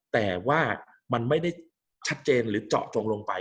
แต่ว่ามันไม่ได้ชัดเจนหรือเจาะจงลงไป